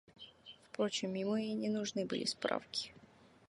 Впрочем, ему и не нужны были справки.